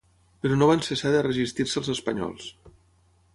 Però no van cessar de resistir-se als espanyols.